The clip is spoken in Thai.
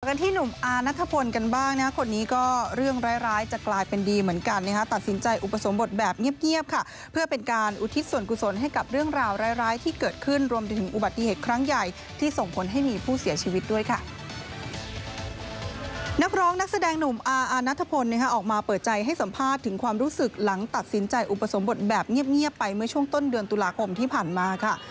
เจ้าตัวบอกว่าตั้งใจจะอุทิศส่วนกุศลให้กับเรื่องราวไร้ร้ายรวมไปถึงความรู้สึกหลังตัดสินใจอุปสรมบทแบบเงียบไปเมื่อช่วงต้นเดือนตุลาคมที่ผ่านมา